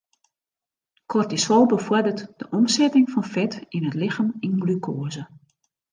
Kortisol befoarderet de omsetting fan fet yn it lichem yn glukoaze.